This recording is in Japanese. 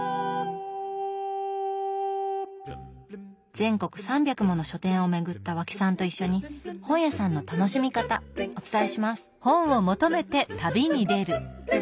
全国３００もの書店を巡った和氣さんと一緒に本屋さんの楽しみ方お伝えします！